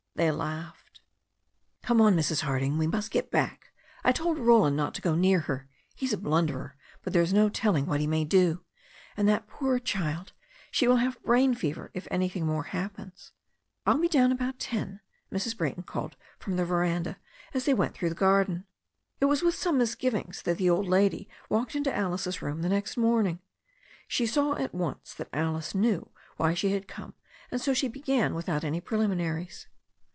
They laughed. "Come on, Mrs. Harding. We must get back. I told Roland not to go near her, he's a blunderer, but there's no telling what he may do. And that poor child. She will have brain fever if anything more happens." "I'll be down about ten," Mrs. Brayton called from the veranda as they went through the garden. It was with some misgivings that the old lady walked into Alice's room the next morning. She saw at once that Alice knew why she had come, and so she began without any preliminaries.